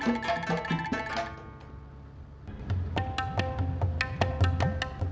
saya mau ke pasar